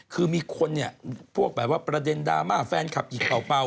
คือมีคนเนี่ยพวกแบบว่าประเด็นดราม่าแฟนคลับหยิกเป่า